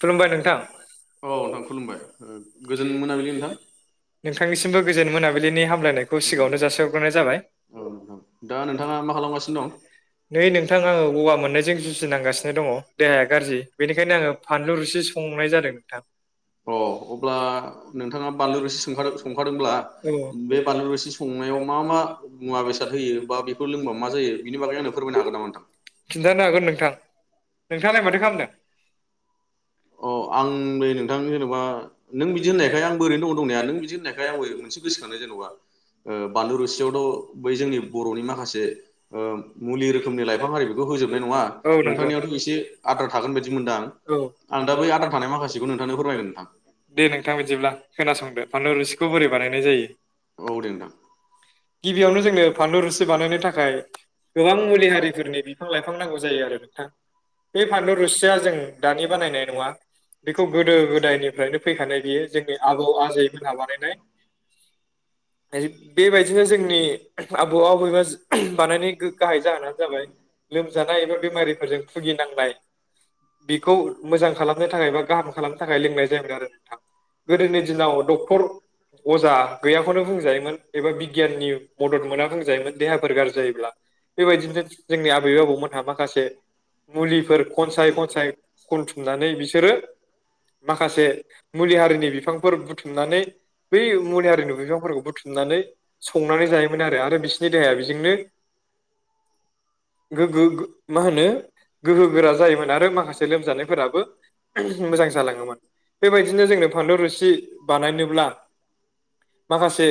खुलुमबाय नोंथां औ नोंथां खुलुमबाय गोजोन मोनाबिलि नोंथां नोंथांनिसिमबो गोजोन मोनाबिलिनि हामलायनायखौ सिगाङावनो जासिहरग्रोनाय जाबाय औ नोंथां दा नोंथाङा मा खालामगासिनो दं। नै नोंथां आङो गगा मोननायजों जुजिनांगासिनो दङ देहाया गाज्रि बेनिखायनो आङो फानलु रुसि संनाय जादों नोंथां अ अब्ला नोंथाङा बानलु रोसि संखादों संखादोंब्ला बे बानलु रोसि संनायाव मा मा मुवा बेसाद होयो बा बेखौ लोंबा मा जायो बिनि बागै आंनो फोरमायनो हागोन नामा नोंथां? खिन्थानो हागोन नोंथां नोंथाङालाय माथो खालामदों अ आं नै नोंथां जेनेबा नों बिदि होननायखाय आं बओरैनो दङ दंनाया नों बिदि होननायखाय आंबो मोनसे गोसोखांनो जेन'बा बानलु रुसियावथ' बै जोंनि बर'नि माखासे मुलि रोखोमनि लाइफां हारि बेखौ होजोबनाय नङा औ नंगौ नोंथांनियावथ' एसे आदार थागोन बायदि मोनदां औ आं दा बै आद्रा थानाय माखासेखौ नोंथांनो फोरमायगोन नोंथां दे नोंथां बिदिब्ला खोनासंदो फानलु रुसिखौ बोरै बानायनाय जायो औ दे नोंथां गिबियावनो जोंनो फानलु रुसि बानायनो थाखाय गोबां मुलि हारिफोरनि बिफां लाइफां नांगौ जायो आरो नोंथां बे फानलु जों दानि बानायनाय नङा बेखौ गोदायनिफ्रायनो फैखानाय बियो जोंनि आबौ आजै जोंहा बानायनाय बेबायदिनो जों आबौ आबैबा बानायनाय गाहाय जाहोनानो जाबाय लोमजानाय एबा बेमारिफोरजों भुगिनांनाय बेखौ मोजां खालामनो थाखाय बा गाहाम खालामनो थाखाय लोंनाय जायोमोन आरो नोंथां गोदोनि दिनाव डक्टर, अजा गैयाखौनो बुंजायोमोन एबा बिगियाननि मदद मोना बुंजायोमोन देहाफोर गाज्रि जायोब्ला बेबायदिनो जोंनि आबै आबौमोनहा माखासे मुलिफोर खनसाय खनसाय खनथुमनानै बिसोरो माखासे मुलि हारिनि बिफांफोर बुथुमनानै बै मुलि हारिनि बिफांफोरखौ बुथुमनानै संनानै जायोमोन आरो आरो बिसिनि देहाया बेजोंनो गोगो मा होनो गोहो गोरा जायोमोन आरो माखासे लोमजानायफोराबो मोजां जालाङोमोन बेबायदिनो जोंनो फानलु रुसि बानायनोब्ला माखासे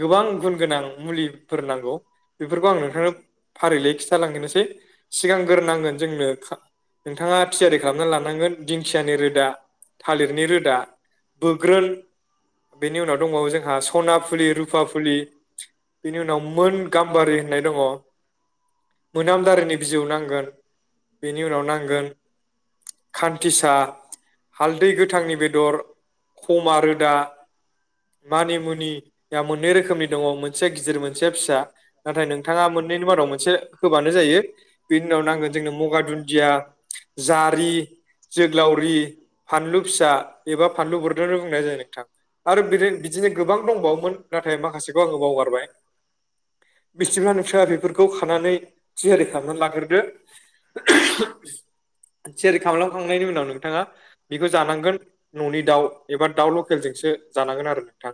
गोबां गुन गोनां मुलिफोर नांगौ बेफोरखौ आं नोंथांनो फारिलइ खि जालांगोनोसै सिगांग्रोनांगोन जोंनो नोंथाङा थियारि खालामना लानांगोन दिंखियानि रोदा, थालिरनि रोदा, बोग्रोन बेनि उनाव दङ जोंहा सना फुलि, रुफा फुलि बेनि उनाव मोन गाम्बारि होननाय दङ । मोनामदारिनि बिजौ नांगोन बे नि उनाव नांगोन खान्थिसा, हालदै गोथांनि बेदर, खमा रोदा, मानिमुनिया मोननै रोखोमनि दङ मोनसे गिदिर मोनसे फिसा नाथाय नोंथाङा मोननैनि मादाव मोनसे होबानो जायो बिनि उनाव नांगोन जोंनो मगा दुन दिया, जारि, जोग्लावरि, फानलु फिसा एबा फानलु बुरदोन बुंनाय जायो नोंथां आरो बिदि बिदिनो गोबां दंबावोमोन नाथाय माखासेखौ आङो बावगारबाय बिस्थिफ्रा नोंथाङा बेफोरखौ खानानै थियारि खालामनानै लाग्रोदो । [unintelligible] थियारि खालामलखांनायनि उनाव नोंथाङा बेखौ जानांगोन न'नि दाउ एबा दाउ लकेलजोंसो जानांगोन आरो नोंथां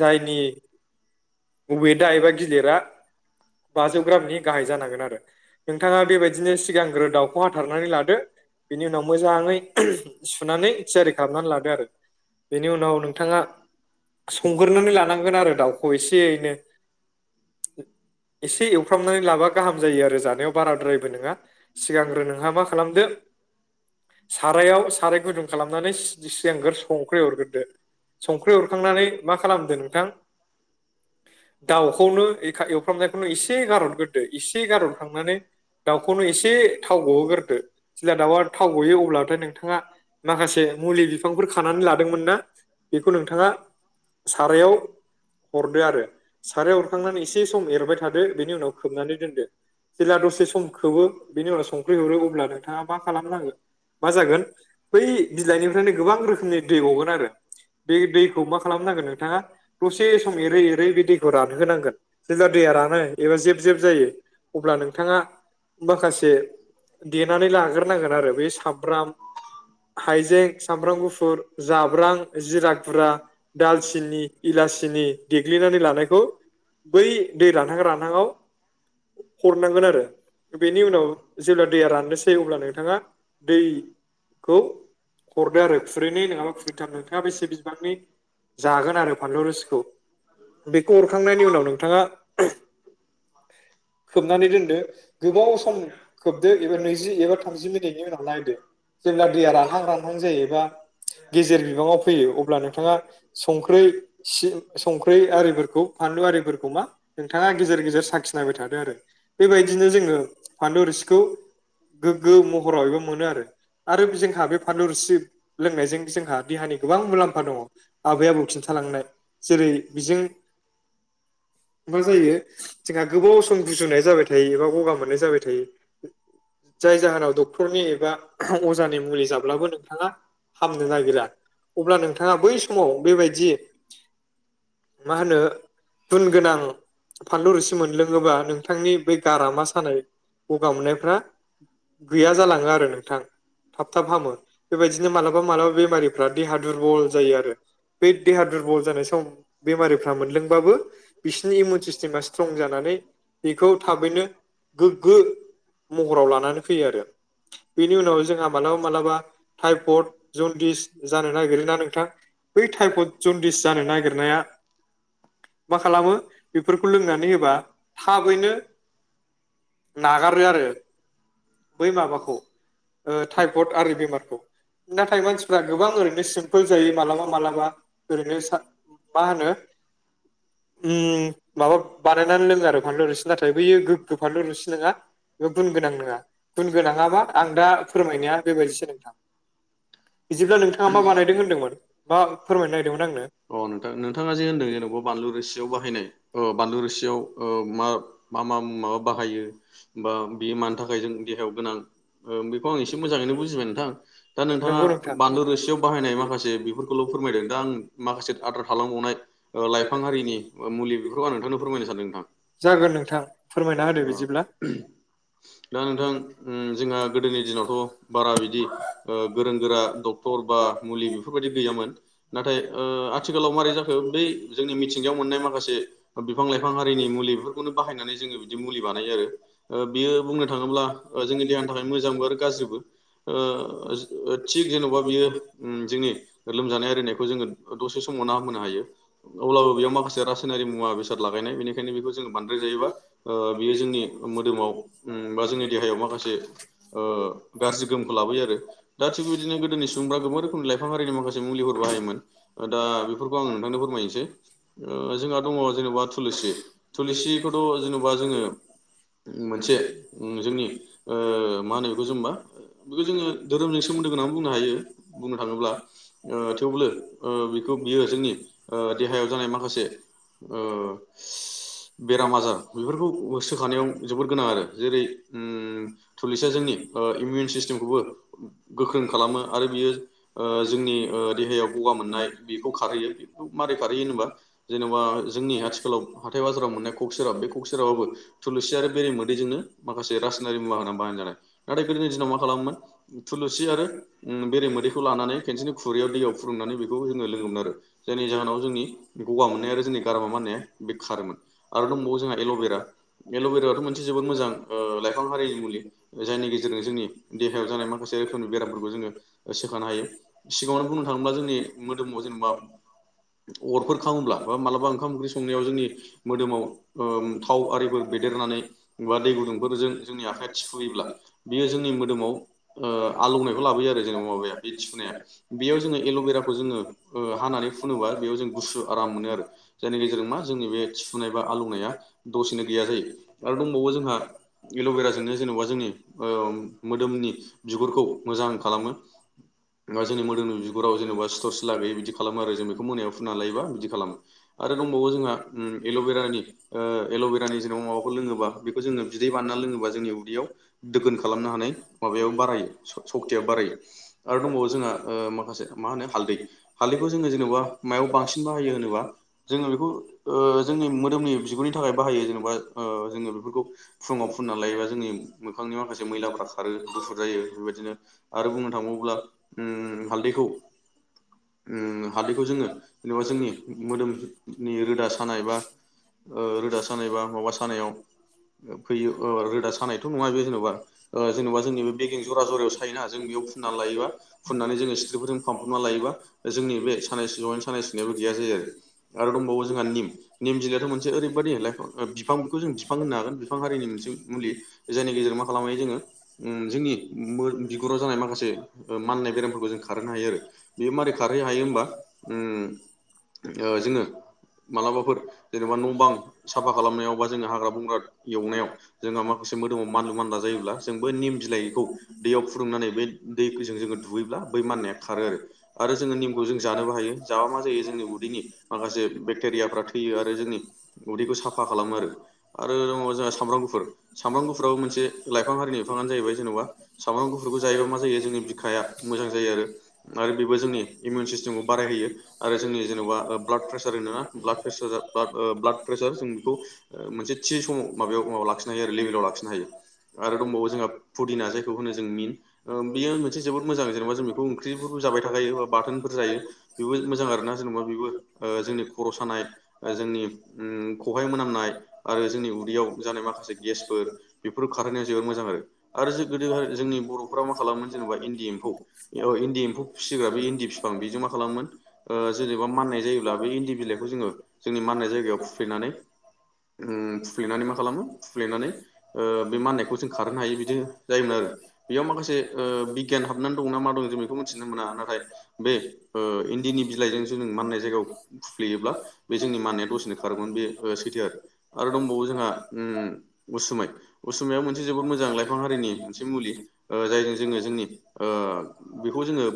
जायनि बबेदा एबा गिदिरा बाजौ ग्रामनि गाहाय जानांगोन । आरो नोंथाङा बेबायदिनो सिगां रो दाउखौ हाथारनानै लादो बेनि उनाव मोजाङै सुनानै थियारि खालामनानै लादो आरो बेनि उनाव नोंथाङा संग्रोनानै लानांगोन आरो दाउखौ एसे ऐनो एसे एवफ्रामनानै लाबा गाहाम जायो आरो जानायाव बाराद्रायबो नोङा । सिगांग्रो नोंहा मा खालामदो सारायाव साराय गुदुं खालामनानै [unintelligible] सिगांग्रो संख्रि हरग्रोदो संख्रि हरखांनानै मा खालामदो नोंथां दाउखौनो [unintelligible] एवफ्रामनायखौनो इसे गारहरग्रोदो इसे गारहरखांनानै दाउखौनो एस [unintelligible] गहोगारदो जेला दाउआ थाव गयो अब्लाथाय नोंथाङा माखासे मुलि बिफांफोर खानानै लादोंमोन ना बेखौ नोंथाङा सारायाव हरदो आरो । सारायाव हरखांनानै एसे सम एरबाय थादो बेनि उनाव खोबनानै दोनदो जेब्ला दसे सम खोबो बेनि उनाव संख्रि हरो अब्ला नोंथाङा मा खालामनांगोन मा जागोन बै बिलाइनिफ्रायनो गोबां रोखोमनि दै गगोन आरो बे दैखौ मा खालामनांगोन नोंथाङा दसे सम एरै एरै बे दै रानहोनांगोन जेब्ला दैया रानो एबा जेब जेब जायो अब्ला नोंथाङा माखासे [unintelligible] देनानै लाग्रोनांगोन आरो बे सामब्राम, हाइजें, सामब्राम गुफुर, जाब्रां, जिरा गुरा, दालसिनि, इलासिनि देग्लिनानै लानाय खौ बै दै रानहां रानहांआव हरनांगोन आरो बेनि उनाव जेब्ला दैया राननोसै अब्ला नोंथाङा दै खौ हरदो आरो खुरैनै नङाबा खुरैथाम नोंथाङा बेसे बिबांनि जागोन आरो फानलु रोसिखौ [unintelligible] हरखांनायनि उनाव नोंथाङा खोबनानै दोनदो गोबाव सम खोबदो एबा नैजि एबा थामजि मिनिटनि उनाव नायदो जेब्ला दैया रानहां रानहां जायो बा गेजेर बिबाङाव फैयो अब्ला नोंथाङा संख्रै से संख्रै आरिफोरखौ फानलु आरिफोरखौ मा नोंथाङा गेजेर गेजेर साखिनायबाय थादो । आरो बेबायदिनो जोङो फानलु रोसि खौ गोग्गो महरावबो मोनो आरो आरो जोंहा बे फानलु रुसि लोंनायजों जोंहा देहानि गोबां मुलाम्फा दङ आबै आबौ खिन्थालांनाय जेरै बेजों मा जायो जोंहा गोबाव सम गुजुनाय जाबाय थायो एबा गगा मोननाय जाबाय थायो । जाय जाहोनाव डक्टरनि एबा अजानि मुलि जाब्लाबो नोंथांङा हामनो नागिरा अब्ला नोंथांङा बै समाव बेबायदि मा होनो गुन गोनां फानलु रुसि मोनलोंङोबा नोंथांनि ब गारामा सानाय गावनायफ्रा गैया जालांङो आरो नोंथां थाब थाब हामो बेबायदिनो मालाबा मालाबा बेमारिफ्रा देहा दुरबल जायो आरो बे देहा दुरबल जानाय सम बेमारिफ्रा मोनलोंबाबो बिसोरनि इमिउन सिस्टेमा स्ट्रं जानानै बेखौ थाबैनो गोग्गो महराव लानानै फैयो आरो बेनि उनाव जोंहा मालाबा मालाबा टाइफड जन्दिस जानो नागिरोना नोंथां बै टाइफड जन्दिस जानो नागिरनाया मा खालामो बेफोरखौ लोंनानै होबा थाबैनो नागा रो आरो बै माबाखौ ओ थायफयड आरि बेमारखौ नाथाय मानसिफ्रा गोबां ओरैनो सिम्पोल जायो मालाबा मालाबा ओरैनो मा सान‌ होनो उम माबा बानायनानै लोंङो आरो फानलु रुसि नाथाय बैयो गोग्गो फानलु रुसि नंङा एबा गुन गोनां नंङा। बेबायदिसो नोंथां बिदिब्ला नोंथाङा मा बानायदों होनदोंमोन मा फोरमायनो नागिरदोंमोन आंनो [unintelligible] अ' नोंथां नोंथांङा जे होनदों जेनबा बानलु बाहायनाय ओ बानलु रोसियाव ओ मा मा मा माबा बाहायो बा बेयो मानि थाखाय जों देहायाव गोनां? ओम' बेखौ आं एसे मोजांङैनो बुजिबाय नोंथां दा नोंथांङा नंगौ नोंथां बानलु रोसियाव बाहायनाय माखासे बेफोरखौल' फोरमायदों दा आं माखासे आद्रा थालांबावनाय औ लाइ हारिनि ओ मुलि बेफोरखौ आं नोंथांनो फोरमायनो सानदों नोंथां। जागोन नोंथां फोरमायना होदो औ बिदिब्ला दा नोंथां ओ जोंहा गोदोनि दिनावथ' बारा बिदि अ' गोरों गोरा डक्टर बा मुलि बेफोरबायदि गैयामोन नाथाय ओ आथिखालाव मारै जाखो बै जोंनि मिथिंगायाव मोननाय माखासे बिफां-लाइफां आरिनि मुलि बेफोरखौनो बाहायनानै जोंङो बिदि मुलि बानायो आरो। बियो बुंनो थांङोब्ला जोंनि देहानि थाखाय मोजांबो आरो गाज्रिबो ओ जो थिग जेन'बा बियो उम जोंनि लोमजानाय आरिनायखौ जोंङो दसे समावनो हामहोनो हायो। अब्लाबो बेयाव माखासे रासायनारि मुवा बेसाद लागायनाय बेनिखायनो बेखौ जोंङो बांद्राय जायोबा अ' बेयो जोंनि मोदोमाव उम बा जोंनि देहायाव माखासे ओ गाज्रि गोहोमखौ लाबोयो आरो दा थिग बिदिनो गोदोनि सुबुंफ्रा गोबां रोखोमनि लाइफां हारिनि माखासे मुलिफोर बाहायोमोन दा बेफोरखौ आं नोंथांनो फोरमायनो सै ओ जोंहा दंङ जेन'बा थुलुसि थुलुसिखौथ' जेनेबा जोंङो उम मोनसे उम जोंनि ओ मा होनो बेखौ जेनबा बेखौ जोंङो धोरोमजों सोमोन्दो गोनां बुंनो हायो, बुंनो थाङोब्ला ओ थेवब्लो बेखौ बियो जोंनि ओ देहायाव जानाय माखासे ओ बेराम आजार बेफोरखौ सोखानायाव जोबोर गोनां आरो जेरै उम थुलुसिया जोंनि ओ इउमिन सिस्टेमखौबो गोख्रों खालामो आरो बियो ओ जोंनि देहायाव ओ ग'गा मोननाय बेखौ खारहैयो । मारै खारहैयो होनबा जेन'बा जोंनि आथिखालाव हाथाय बाजाराव मोननाय क'कसेेरा बे क'कसेेराबाबो थुलुसि आरो बेरे मोदैजोंनो माखासे रासायनारि मुवा होनानै बाहायजानाय नाथाय गोदोनि दिनाव मा खालामोमोन थुलुसि आरो उम बेरे मोदैखौ लानानै खेनसेनि खुरैयाव दैयाव फुदुंनानै बेखौ जोंङो लोंङोमोन आरो। जोनि जाहोनाव जोंनि ग'गा मोननाय आरो जोंनि गारामा माननाया बे खारोमोन आरो दंबावो जोंहा एल'बेरा एल'बेराथ' मोनसे जोबोद मोजां लाइफां हारिनि मुलि जायनि गेजेरजों जोंनि देहायाव जानाय माखासे रोखोमनि बेरामफोरखौ जोंङो सोखानो हायो। सिगांङावनो बुंनो थांङोब्ला जोंनि मोदोमाव जेनेबा अर'फोर खावङोब्ला बा मालाबा ओंखाम ओंख्रि संनायाव जोंनि मोदोमाव ओ थाव आरिफोर बेदेरनानै बा दै गुदुंफोरजों जोंनि आखाइया थिफुयोब्ला बियो जोंनि मोदोमाव ओ आलौनायखौ लाबोयो आरो जेनेबा माबाया बे थिफुनाया बेयाव जोंङो एल'बेराखौ जोंङो हानानै फुनोबा बेयाव जों गुसु आराम मोनो आरो जायनि गेजेरजों मा जोंनि बे थिफुनाय बा आलौनाया दसेनो गैया जायो, आरो दंबावो जोंहा एल'बेराजोंनो जेनेबा जोंनि ओ मोदोमनि बिगुरखौ मोजां खालामो बा जोंनि मोदोमनि बिगुराव जेनेबा सिथर सिला गैयि बिदि खालामो आरो जों बेखौ मोनायाव फुनानै लायोबा बिदि खालामो आरो दंबावो जोंहा उम एल'बेरानि ओ एल'बेरानि जेनेबा माबाखौ लोंङोबा बेखौ जोंङो बिदै बानायना लोंङोबा जोंनि उदैयाव दोगोन खालामनो हानाय माबायाव बारायो सकतिया बारायो, आरो दंबावो जोंहा ओ माखासे मा होनो हालदै हालदैखौ जोंङो जों जेनेबा मायाव बांसिन बाहायो होनोबा जोंङो बेखौ ओ जोंनि मोदोमनि बिगुरनि थाखाय बाहायो जेनेबा ओ जोंङो बेफोरखौ फुंङाव फुननानै लायोबा जोंनि मोखांनि माखासे मैलाफ्रा खा खारो गुफुर जायो । उ बादिनो आरो बुंनो थांबावोब्ला उम हालदैखौ उम हालदैखौ जोंङो नुया जोंनि मोदोम नि रोदा सानाय बा ओ रोदा सानाय बा माबा सानायाव फैयो अ' रोदा सानायथ' नंङा बेयो जेनेबा जेनेबा जोंनि बे बेगें जरा जरायाव सायोना जों बेयाव फुननानै लायोबा फुननानै जोंङो सिथ्रिफोरजों फानफ्रबनानै लायोबा जोंनि बे सानाय सुनाय सानाय सुनायाबो गैया जायो आरो दंबावो जोंहा निम निम बिलायाथ' मोनसे ओरैबायदि लाइफां बिफां बेखौ जों बिफां होनो हागोन बिफां हारिनि मोनसे मुलि जायनि गेजेराव मा खालामायो जोंङो उम जोंनि बिगुराव जानाय माखासे माननाय बेरामफोरखौ जों खारहोनो हायो आरो बेयो मारै खारहोनो हायो होमबा उम ओ जोंङो मालाबाफोर जेनेबा न' बां साफा खालामनायाव बा जोंङो हाग्रा बंग्रा एवनायाव जोंहा माखासे मोदोमाव मानलु मानला जायोब्ला जों बै निम बिलाइखौ दैयाव फुदुंनानै बे दै जों जोंङो दुगैब्ला बै माननाया खारो आरो जोंङो निमखौ जों जानोबो हायो जाबा मा जायो जोंनि उदैनि माखासे बेकटिरियाफोरा थैयो आरो जोंनि उदैखौ साफा खालामो आरो आरो ङ जोंहा सामब्राम गुफुर सामब्राम गुफुराबो मोनसे लाइफां हारिनि बिफांआनो जाहैबाय जेन'बा सामब्राम गुफुरखौ जायोबा मा जायो जोंनि बिखाया मोजां जायो आरो बेबो जोंनि इमिउन जोंवो बाराय होयो आरो जोंनि जेन'बा जोंनि ब्लाट प्रेसार होनो ना ब्लाड प्रेसार बा ब्लाड प्रेसार जों बेखौ मोनसे थि समाव माबायाव माबा लाखिनो हायो आरो लेबेलाव लाखिनो हायो, आरो दंबावो जोंहा फुदिना जायखौ होनो जों मिन ओ बेयो मोनसे जोबोर मोजां जेनेबा जों बेखौ ओंख्रिबो जाबाय थाखायो बा बाथोन जायो बिबो मोजां आरोना जेनेबा बेबो जोंनि खर' सानाय जोंनि खहाइ मोनामनाय आरो जोंनि उदैयाव जानाय माखासे गेसफोर बेफोर खारहैनायाव जोबोर मोजां आरो आरो गोदो जोंनि बर'फोरा मा खालामोमोन जेनेबा इन्दि एम्फौ इन्दि एम्फौ फिसिग्रा बे इन्दि बां बेजों मा खालामोन ओ जेनेबा माननाय जायोब्ला बे इन्दि बिलाइखौ जोंङो जोंनि माननाय जायगायाव फुफ्लेनानै उम फुफ्लेनानै मा खालामो फुफ्लेनानै ओ बे माननायखौ जों खारहोनो हायो बिदि जायोमोन आरो बेयाव माखासे ओ बिगियान हाबनानै दं ना मा दं जों बेखौ मिथिनो मोना नाथाय बे ओ इन्दिनि बिलाइजों जों माननाय जायगायाव फुफ्लेयोब्ला बे जोंनि माननाया दसेनो खारगौमोन बे सैथो आरो दंबावो जोंहा उम उसुमाय उसुमाया मोनसे जोबोद मोजां लाइफां हारिनि मोनसे मुलि ओ जायजों जोङो जोंनि ओ बेखौ जोङो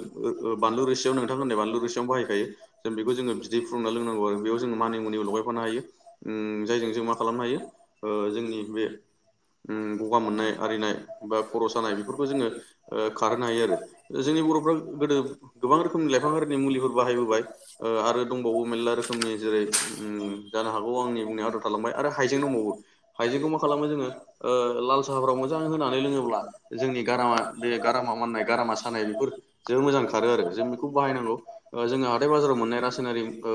ओ बानलु रोसियाव नोंथां होननाय बानलु रोसियाव बाहायखायो जों बेखौ जोङो बिदै फुुंना लोंनांगौ आरो बेयाव जोङो मानि मुनि लगायफानो हायो। उम जायजों जों मा खालामनो हायो ओ जोंनि बे उम ग'गा मोननाय आरिनाय बा खर' सानाय बेफोरखौ जोङो ओ खारहोनो हायो आरो जोंनि बर'फ्रा गोदो गोबां रोखोमनि लाइफांफोरनि मुलिफोर बाहायबोबाय ओ आरो दंबावो मेरला रोखोमनि जेरै उम जानो हागौ आंनि बुंनायाव आद्रा थालांबाय आरो हाइजें दंबावो हाइजेंखौ मा खालामो जोङो ओ लाल साहाफोराव मोजां होनानै लोङोब्ला जोंनि गारामा बे गारामा माननाय गारामा सानाय बेफोर जोबोर मोजां खारो आरो जों बेखौ बाहायनांगौ ओ जोङो हाथाय बाजाराव मोननाय रासायनारि ओ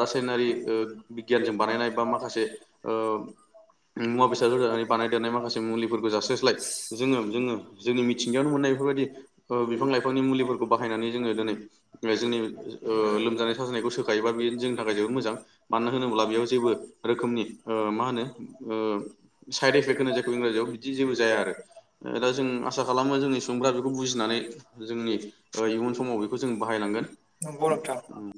रासायनारि ओ बिगियानजों बानायनाय बा माखासे ओ मुवा बेसाद होनानै बानायदेरनाय माखासे मुलिफोरखौ जास्लायस्लाय जोङो जोङो जोंनि मिथिंगायावनो मोननाय बेफोरबायदि ओ बिफां लाइफांनि मुलिफोरखौ बाहायनानै जोङो दिनै जोंनि ओ लोमजानाय साजानायखौ सोखायोबा बे जोंनि थाखाय जोबोद मोजां। मानो होनोब्ला बेयाव जेबो रोखोमनि मा होनो साइद एफेक्ट होनो जायखौ इंराजियाव बिदि जेबो जाया आरो दा जों आसा खालामो जोंनि सुबुंफोरा बेखौ बुजिनानै जोंनि ओ इयुन समाव बेखौ जों बाहायलांगोन नंगौ नोंथां उम।